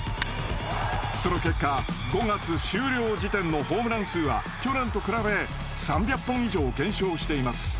その結果５月終了時点のホームラン数は去年と比べ３００本以上減少しています。